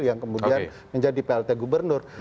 yang kemudian menjadi plt gubernur